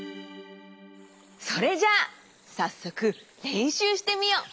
それじゃあさっそくれんしゅうしてみよう。